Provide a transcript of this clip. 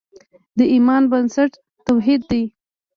د ایمان بنسټ توحید دی.